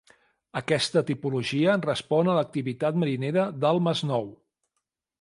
Aquesta tipologia respon a l'activitat marinera del Masnou.